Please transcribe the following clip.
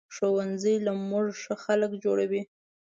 ښوونځی له مونږ ښه خلک جوړوي